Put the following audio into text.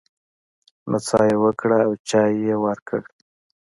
نڅا يې وکړه او چای يې ورکړ.